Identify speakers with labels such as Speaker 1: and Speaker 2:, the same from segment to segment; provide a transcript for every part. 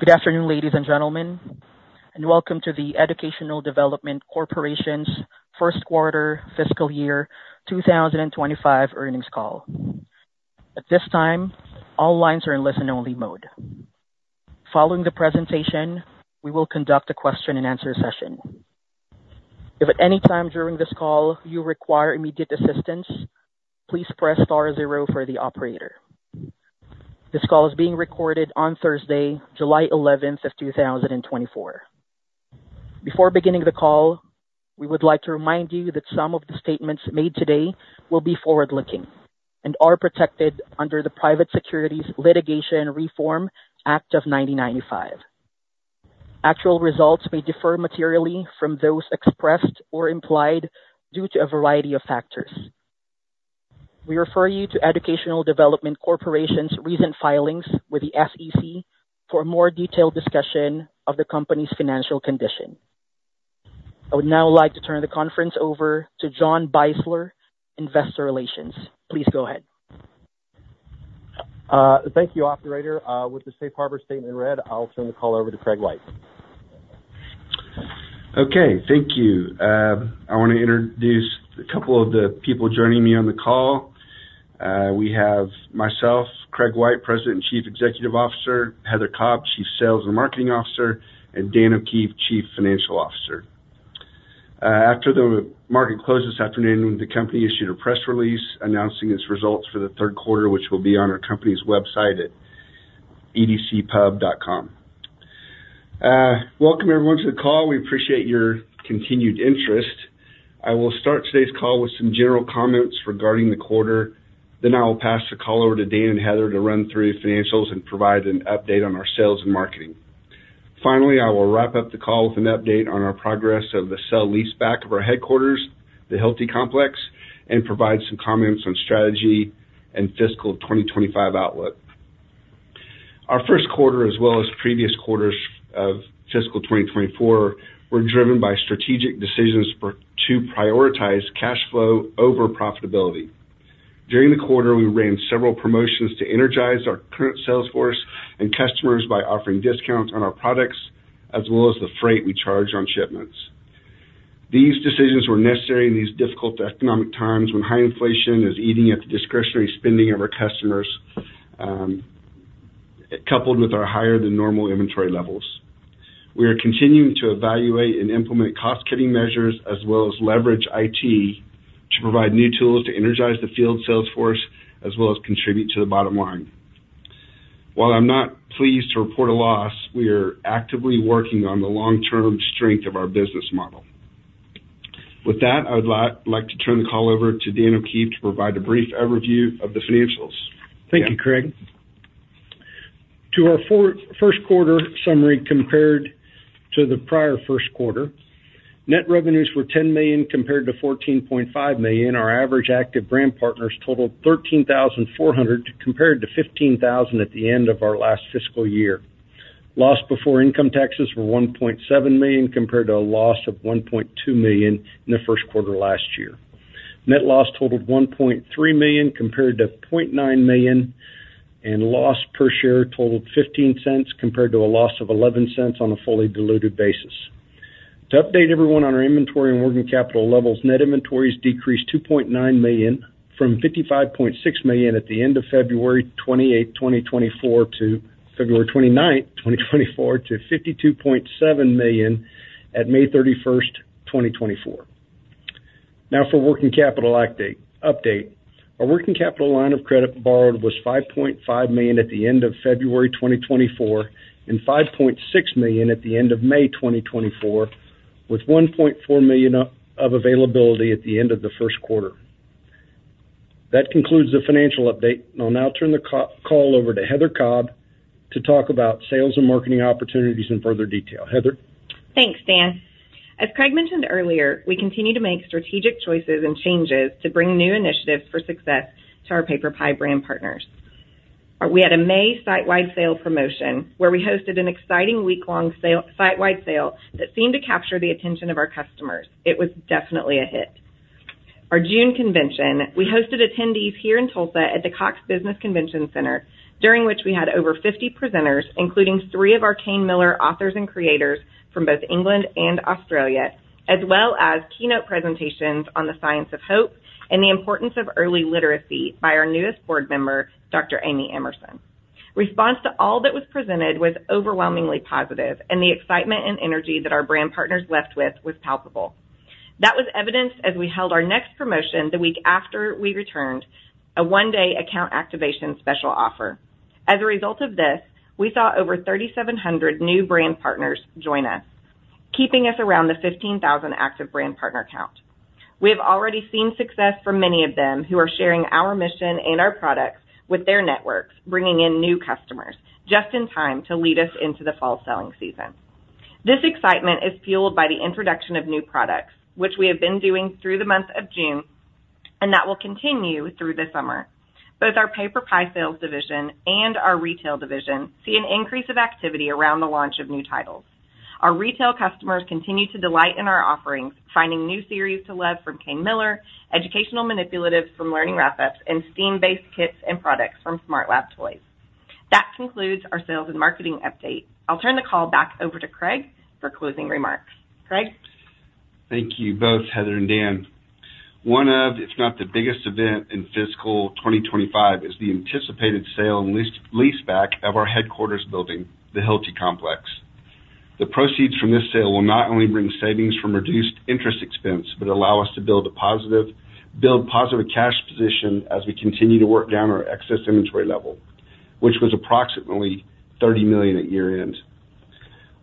Speaker 1: Good afternoon, ladies and gentlemen, and welcome to the Educational Development Corporation's Q1 fiscal year 2025 earnings call. At this time, all lines are in listen-only mode. Following the presentation, we will conduct a question-and-answer session. If at any time during this call you require immediate assistance, please press star zero for the operator. This call is being recorded on Thursday, July 11, 2024. Before beginning the call, we would like to remind you that some of the statements made today will be forward-looking and are protected under the Private Securities Litigation Reform Act of 1995. Actual results may differ materially from those expressed or implied due to a variety of factors. We refer you to Educational Development Corporation's recent filings with the SEC for a more detailed discussion of the company's financial condition. I would now like to turn the conference over to John Beisler, Investor Relations. Please go ahead.
Speaker 2: Thank you, operator. With the Safe Harbor statement read, I'll turn the call over to Craig White.
Speaker 3: Okay, thank you. I want to introduce a couple of the people joining me on the call. We have myself, Craig White, President and Chief Executive Officer, Heather Cobb, Chief Sales and Marketing Officer, and Dan O'Keefe, Chief Financial Officer. After the market closed this afternoon, the company issued a press release announcing its results for the Q3, which will be on our company's website at edcpub.com. Welcome everyone to the call. We appreciate your continued interest. I will start today's call with some general comments regarding the quarter. Then I will pass the call over to Dan and Heather to run through the financials and provide an update on our sales and marketing. Finally, I will wrap up the call with an update on our progress of the sale leaseback of our headquarters, the Hilti Complex, and provide some comments on strategy and fiscal 2025 outlook. Our Q1, as well as previous quarters of fiscal 2024, were driven by strategic decisions for to prioritize cash flow over profitability. During the quarter, we ran several promotions to energize our current sales force and customers by offering discounts on our products as well as the freight we charge on shipments. These decisions were necessary in these difficult economic times, when high inflation is eating at the discretionary spending of our customers, coupled with our higher than normal inventory levels. We are continuing to evaluate and implement cost-cutting measures as well as leverage IT to provide new tools to energize the field sales force, as well as contribute to the bottom line. While I'm not pleased to report a loss, we are actively working on the long-term strength of our business model. With that, I would like to turn the call over to Dan O'Keefe to provide a brief overview of the financials.
Speaker 4: Thank you, Craig. To our Q1 summary, compared to the prior Q1, net revenues were $10 million, compared to $14.5 million. Our average active brand partners totaled 13,400, compared to 15,000 at the end of our last fiscal year. Loss before income taxes were $1.7 million, compared to a loss of $1.2 million in the Q1 last year. Net loss totaled $1.3 million, compared to $0.9 million, and loss per share totaled $0.15, compared to a loss of $0.11 on a fully diluted basis. To update everyone on our inventory and working capital levels, net inventories decreased $2.9 million from $55.6 million at the end of February 28, 2024 to February 29, 2024, to $52.7 million at May 31, 2024. Now for working capital update. Our working capital line of credit borrowed was $5.5 million at the end of February 2024 and $5.6 million at the end of May 2024, with $1.4 million of availability at the end of the Q1. That concludes the financial update. I'll now turn the call over to Heather Cobb to talk about sales and marketing opportunities in further detail. Heather?
Speaker 5: Thanks, Dan. As Craig mentioned earlier, we continue to make strategic choices and changes to bring new initiatives for success to our PaperPie brand partners. We had a May site-wide sale promotion, where we hosted an exciting week-long sale, site-wide sale that seemed to capture the attention of our customers. It was definitely a hit. Our June convention, we hosted attendees here in Tulsa at the Cox Business Convention Center, during which we had over 50 presenters, including 3 of our Kane Miller authors and creators from both England and Australia, as well as keynote presentations on the science of hope and the importance of early literacy by our newest board member, Dr. Amy Emerson. Response to all that was presented was overwhelmingly positive, and the excitement and energy that our brand partners left with was palpable. That was evidenced as we held our next promotion the week after we returned, a one-day account activation special offer. As a result of this, we saw over 3,700 new brand partners join us, keeping us around the 15,000 active brand partner count. We have already seen success for many of them who are sharing our mission and our products with their networks, bringing in new customers just in time to lead us into the fall selling season. This excitement is fueled by the introduction of new products, which we have been doing through the month of June, and that will continue through the summer. Both our PaperPie sales division and our retail division see an increase of activity around the launch of new titles. Our retail customers continue to delight in our offerings, finding new series to love from Kane Miller, educational manipulatives from Learning Wrap-ups and STEAM-based kits and products from SmartLab Toys. That concludes our sales and marketing update. I'll turn the call back over to Craig for closing remarks. Craig?
Speaker 3: Thank you both, Heather and Dan. One of, if not the biggest event in fiscal 2025, is the anticipated sale and lease, leaseback of our headquarters building, the Hilti Complex. The proceeds from this sale will not only bring savings from reduced interest expense, but allow us to build a positive, build positive cash position as we continue to work down our excess inventory level, which was approximately $30 million at year-end.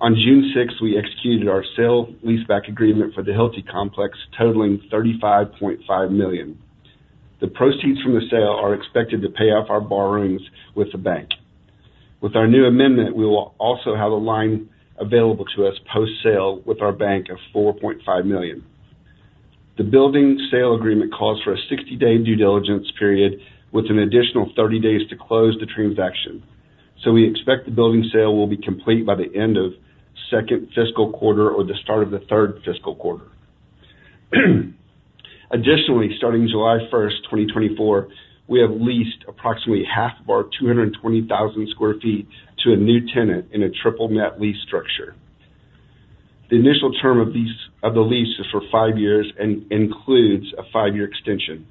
Speaker 3: On June 6, we executed our sale leaseback agreement for the Hilti Complex, totaling $35.5 million. The proceeds from the sale are expected to pay off our borrowings with the bank. With our new amendment, we will also have a line available to us post-sale with our bank of $4.5 million. The building sale agreement calls for a 60-day due diligence period, with an additional 30 days to close the transaction. So we expect the building sale will be complete by the end of second fiscal quarter or the start of the third fiscal quarter. Additionally, starting July 1, 2024, we have leased approximately half of our 220,000 sq ft to a new tenant in a triple net lease structure. The initial term of the lease is for 5 years and includes a 5-year extension.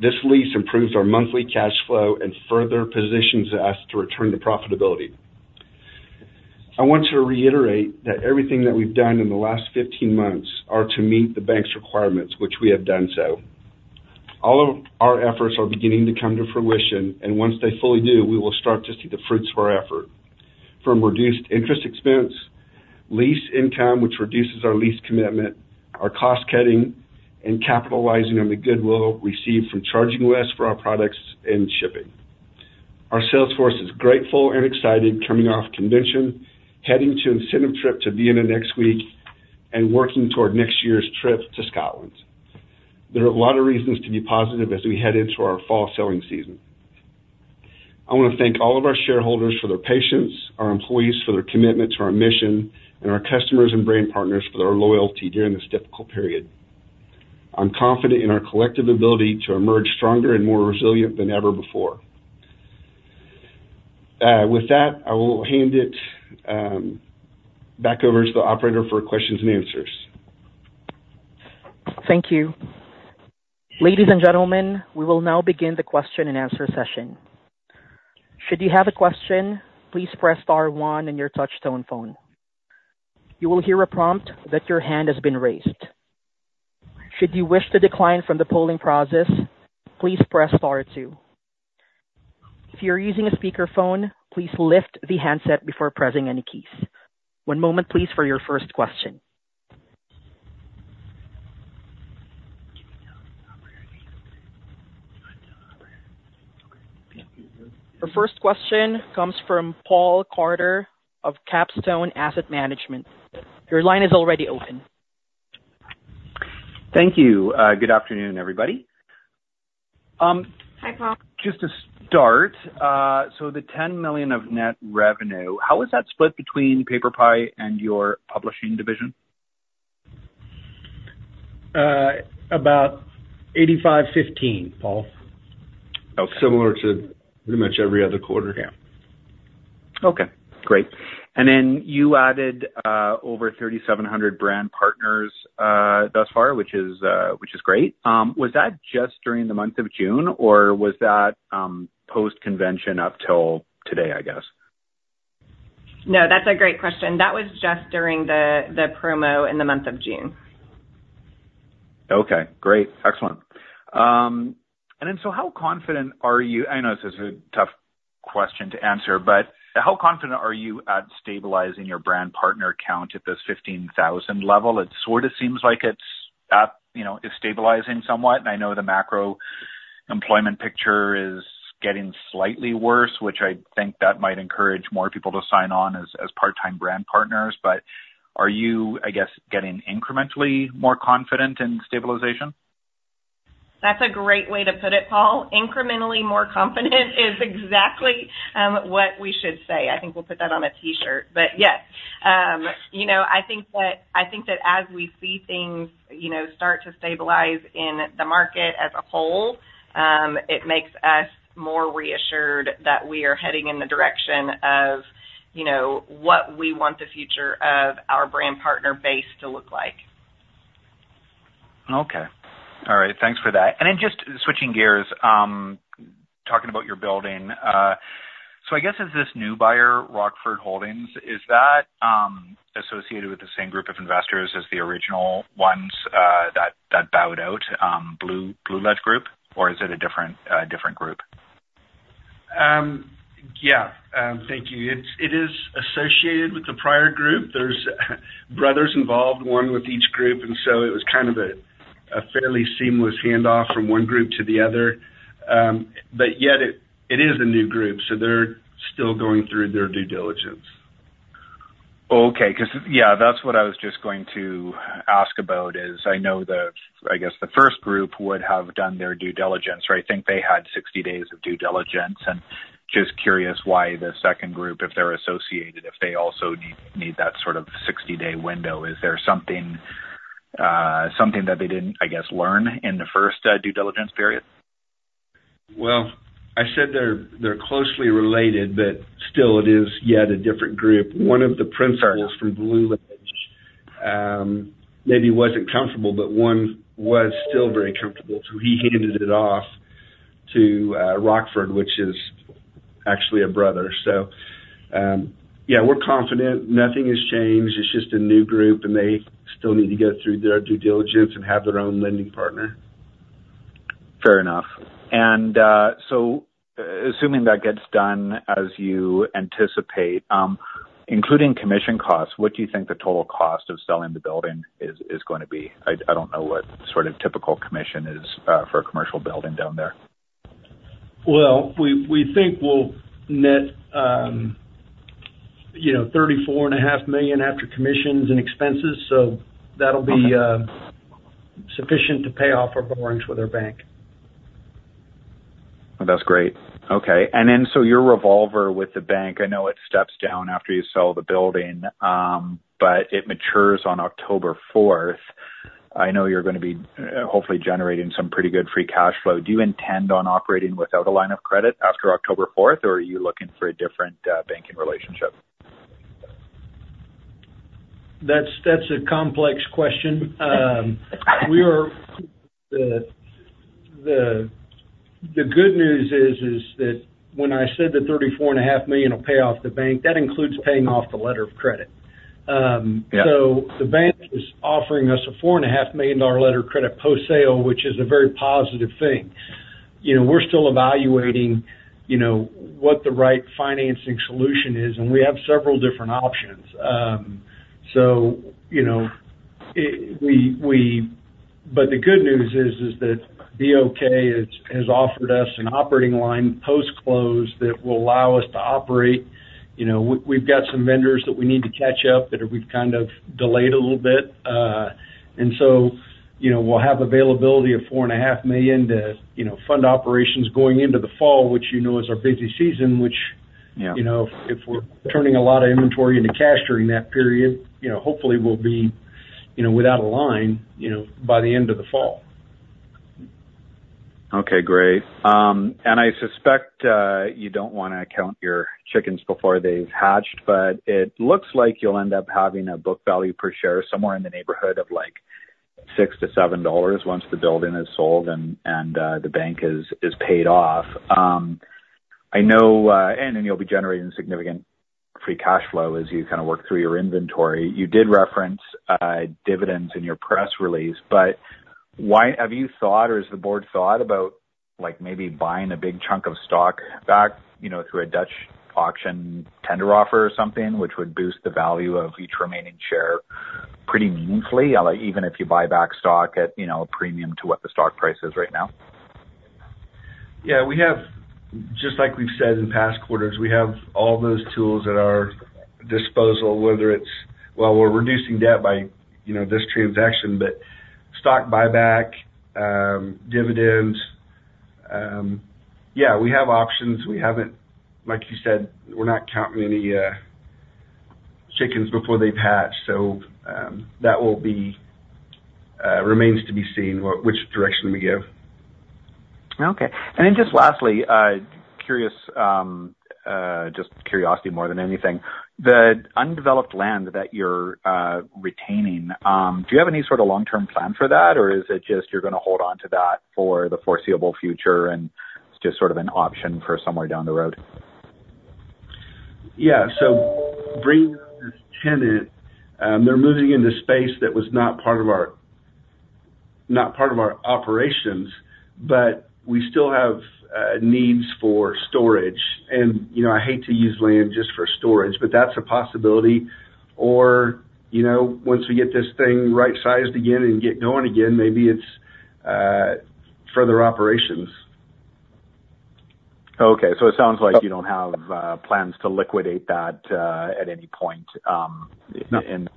Speaker 3: This lease improves our monthly cash flow and further positions us to return to profitability. I want to reiterate that everything that we've done in the last 15 months are to meet the bank's requirements, which we have done so. All of our efforts are beginning to come to fruition, and once they fully do, we will start to see the fruits of our effort from reduced interest expense, lease income, which reduces our lease commitment, our cost cutting, and capitalizing on the goodwill received from charging less for our products and shipping. Our sales force is grateful and excited coming off convention, heading to incentive trip to Vienna next week and working toward next year's trip to Scotland. There are a lot of reasons to be positive as we head into our fall selling season. I want to thank all of our shareholders for their patience, our employees for their commitment to our mission, and our customers and brand partners for their loyalty during this difficult period. I'm confident in our collective ability to emerge stronger and more resilient than ever before. With that, I will hand it back over to the operator for questions and answers.
Speaker 1: Thank you. Ladies and gentlemen, we will now begin the question-and-answer session. Should you have a question, please press star one on your touchtone phone. You will hear a prompt that your hand has been raised. Should you wish to decline from the polling process, please press star two. If you're using a speakerphone, please lift the handset before pressing any keys. One moment, please, for your first question. Our first question comes from Paul Carter of Capstone Asset Management. Your line is already open.
Speaker 6: Thank you. Good afternoon, everybody.
Speaker 5: Hi, Paul.
Speaker 6: Just to start, so the $10 million of net revenue, how is that split between PaperPie and your publishing division?
Speaker 3: About 85/15, Paul.
Speaker 6: Okay.
Speaker 3: Similar to pretty much every other quarter. Yeah.
Speaker 6: Okay, great. And then you added over 3,700 brand partners, which is, which is great. Was that just during the month of June, or was that post-convention up till today, I guess?
Speaker 5: No, that's a great question. That was just during the promo in the month of June.
Speaker 6: Okay, great. Excellent. And then, so how confident are you... I know this is a tough question to answer, but how confident are you at stabilizing your brand partner count at this 15,000 level? It sort of seems like it's at, you know, it's stabilizing somewhat, and I know the macro employment picture is getting slightly worse, which I think that might encourage more people to sign on as, as part-time brand partners. But are you, I guess, getting incrementally more confident in stabilization?
Speaker 5: That's a great way to put it, Paul. Incrementally more confident is exactly what we should say. I think we'll put that on a T-shirt, but yes, you know, I think that, I think that as we see things, you know, start to stabilize in the market as a whole, it makes us more reassured that we are heading in the direction of, you know, what we want the future of our brand partner base to look like.
Speaker 6: Okay. All right. Thanks for that. And then just switching gears, talking about your building. So I guess as this new buyer, Rockford Holdings, is that associated with the same group of investors as the original ones that bowed out, Blue Ledge Group, or is it a different group?
Speaker 3: Yeah, thank you. It's, it is associated with the prior group. There's brothers involved, one with each group, and so it was kind of a, a fairly seamless handoff from one group to the other. But yet it, it is a new group, so they're still going through their due diligence.
Speaker 6: Okay, 'cause yeah, that's what I was just going to ask about, is I know the, I guess, the first group would have done their due diligence, or I think they had 60 days of due diligence. And just curious why the second group, if they're associated, if they also need, need that sort of 60-day window. Is there something, something that they didn't, I guess, learn in the first due diligence period?
Speaker 4: Well, I said they're, they're closely related, but still it is yet a different group. One of the principals from Blue Ledge, maybe wasn't comfortable, but one was still very comfortable, so he handed it off to, Rockford, which is actually a brother. So, yeah, we're confident nothing has changed. It's just a new group, and they still need to go through their due diligence and have their own lending partner.
Speaker 6: Fair enough. And, so assuming that gets done as you anticipate, including commission costs, what do you think the total cost of selling the building is, is going to be? I, I don't know what sort of typical commission is, for a commercial building down there.
Speaker 4: Well, we think we'll net, you know, $34.5 million after commissions and expenses, so that'll be sufficient to pay off our loans with our bank.
Speaker 6: That's great. Okay. And then, so your revolver with the bank, I know it steps down after you sell the building, but it matures on October fourth. I know you're gonna be, hopefully generating some pretty good free cash flow. Do you intend on operating without a line of credit after October fourth, or are you looking for a different, banking relationship?
Speaker 4: That's a complex question. The good news is that when I said the $34.5 million will pay off the bank, that includes paying off the letter of credit.
Speaker 6: Yeah.
Speaker 4: So the bank is offering us a $4.5 million letter of credit post-sale, which is a very positive thing. You know, we're still evaluating, you know, what the right financing solution is, and we have several different options. But the good news is that BOK has offered us an operating line post-close that will allow us to operate. You know, we've got some vendors that we need to catch up, that we've kind of delayed a little bit. And so, you know, we'll have availability of $4.5 million to, you know, fund operations going into the fall, which, you know, is our busy season, which.
Speaker 6: Yeah
Speaker 4: You know, if we're turning a lot of inventory into cash during that period, you know, hopefully we'll be, you know, without a line, you know, by the end of the fall.
Speaker 6: Okay, great. And I suspect you don't wanna count your chickens before they've hatched, but it looks like you'll end up having a book value per share, somewhere in the neighborhood of, like, $6-$7 once the building is sold and the bank is paid off. I know... And you'll be generating significant free cash flow as you kind of work through your inventory. You did reference dividends in your press release, but why have you thought, or has the board thought about, like, maybe buying a big chunk of stock back, you know, through a Dutch auction tender offer or something, which would boost the value of each remaining share pretty meaningfully, like, even if you buy back stock at, you know, a premium to what the stock price is right now?
Speaker 4: Yeah, we have, just like we've said in past quarters, we have all those tools at our disposal, whether it's... Well, we're reducing debt by, you know, this transaction, but stock buyback, dividends, yeah, we have options. We haven't, like you said, we're not counting any chickens before they've hatched, so, that will be, remains to be seen, which direction we go.
Speaker 6: Okay. And then, just lastly, curious, just curiosity more than anything. The undeveloped land that you're retaining, do you have any sort of long-term plan for that, or is it just you're gonna hold on to that for the foreseeable future, and it's just sort of an option for somewhere down the road?
Speaker 4: Yeah. So bringing this tenant, they're moving into space that was not part of our operations, but we still have needs for storage. And, you know, I hate to use land just for storage, but that's a possibility, or, you know, once we get this thing right-sized again and get going again, maybe it's further operations.
Speaker 6: Okay. So it sounds like you don't have plans to liquidate that at any point in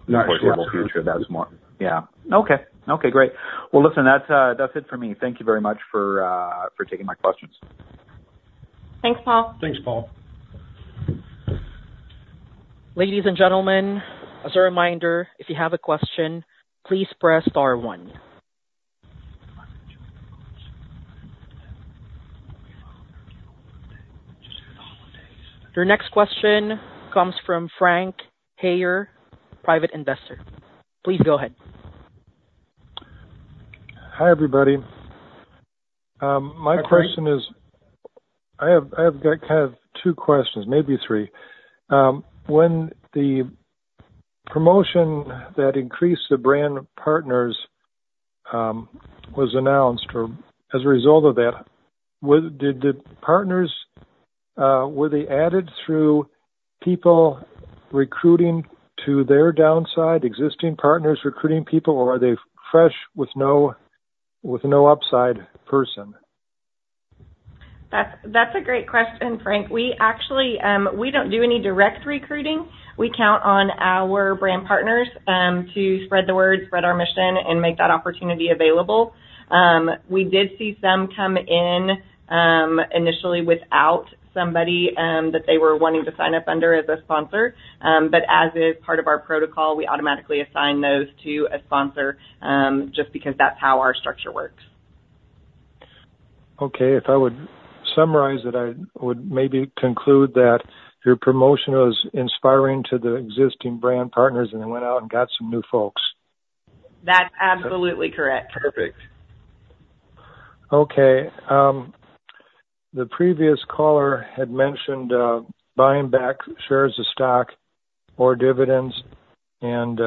Speaker 4: Not yet
Speaker 6: The foreseeable future. That's more... Yeah.
Speaker 4: Okay. Okay, great. Well, listen, that's, that's it for me.
Speaker 6: Thank you very much for, for taking my questions.
Speaker 5: Thanks, Paul.
Speaker 4: Thanks, Paul.
Speaker 1: Ladies and gentlemen, as a reminder, if you have a question, please press star one. Your next question comes from Frank Hyer, private investor. Please go ahead.
Speaker 7: Hi, everybody. My question is—I have, I have got kind of two questions, maybe three. When the promotion that increased the brand partners was announced, or as a result of that, was—did, did partners were they added through people recruiting to their downside, existing partners recruiting people, or are they fresh with no, with no upside person?
Speaker 5: That's a great question, Frank. We actually, we don't do any direct recruiting. We count on our brand partners, to spread the word, spread our mission, and make that opportunity available. We did see some come in, initially without somebody, that they were wanting to sign up under as a sponsor. But as is part of our protocol, we automatically assign those to a sponsor, just because that's how our structure works.
Speaker 7: Okay, if I would summarize it, I would maybe conclude that your promotion was inspiring to the existing brand partners, and they went out and got some new folks.
Speaker 5: That's absolutely correct.
Speaker 7: Perfect. Okay, the previous caller had mentioned buying back shares of stock or dividends, and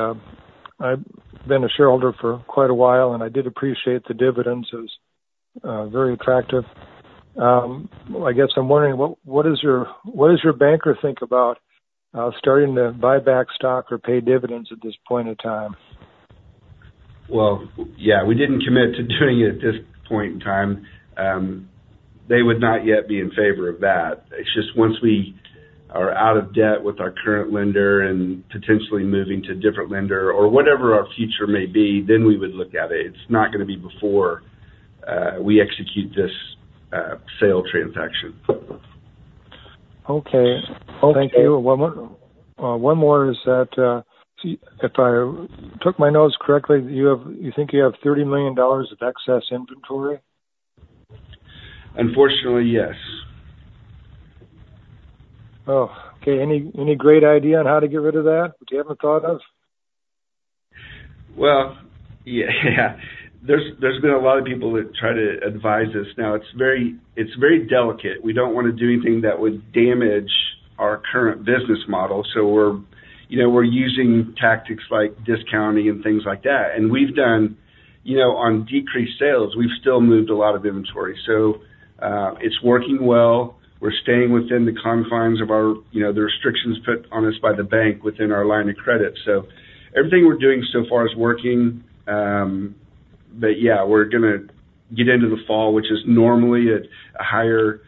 Speaker 7: I've been a shareholder for quite a while, and I did appreciate the dividends as very attractive. I guess I'm wondering, what, what is your-- what does your banker think about starting to buy back stock or pay dividends at this point in time?
Speaker 3: Well, yeah, we didn't commit to doing it at this point in time. They would not yet be in favor of that. It's just once we are out of debt with our current lender and potentially moving to a different lender or whatever our future may be, then we would look at it. It's not gonna be before we execute this sale transaction.
Speaker 7: Okay. Thank you. One more, one more is that, if I took my notes correctly, you have, you think you have $30 million of excess inventory?
Speaker 3: Unfortunately, yes.
Speaker 7: Oh, okay. Any, any great idea on how to get rid of that? Do you have a thought of?
Speaker 3: Well, yeah. There's been a lot of people that try to advise us. Now, it's very delicate. We don't wanna do anything that would damage our current business model. So we're, you know, using tactics like discounting and things like that. And we've done, you know, on decreased sales, we've still moved a lot of inventory, so it's working well. We're staying within the confines of our, you know, the restrictions put on us by the bank within our line of credit. So everything we're doing so far is working. But yeah, we're gonna get into the fall, which is normally at a higher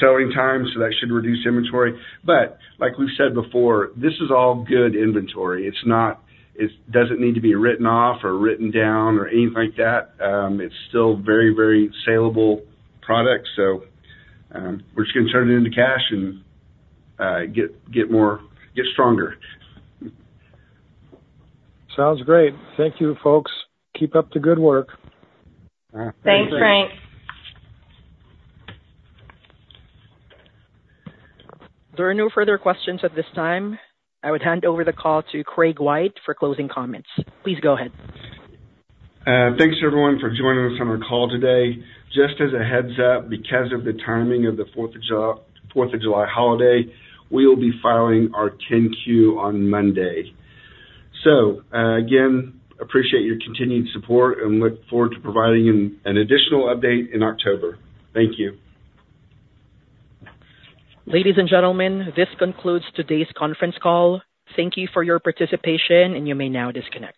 Speaker 3: selling time, so that should reduce inventory. But like we've said before, this is all good inventory. It's not, It doesn't need to be written off or written down or anything like that. It's still very, very salable product. So, we're just gonna turn it into cash and get more, get stronger.
Speaker 7: Sounds great. Thank you, folks. Keep up the good work.
Speaker 3: All right.
Speaker 5: Thanks, Frank.
Speaker 1: There are no further questions at this time. I would hand over the call to Craig White for closing comments. Please go ahead.
Speaker 3: Thanks, everyone, for joining us on our call today. Just as a heads up, because of the timing of the Fourth of July, Fourth of July holiday, we will be filing our 10-Q on Monday. So, again, appreciate your continued support and look forward to providing you an additional update in October. Thank you.
Speaker 1: Ladies and gentlemen, this concludes today's conference call. Thank you for your participation, and you may now disconnect.